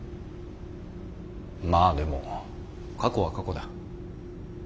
まあでも過去は過去だ。